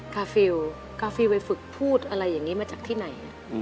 กาฟิลกาฟิลไปฝึกพูดอะไรอย่างนี้มาจากที่ไหน